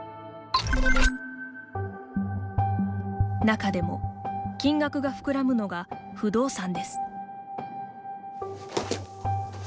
中でも金額が膨らむのが不動産です。